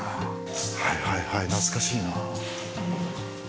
はいはいはい懐かしいな。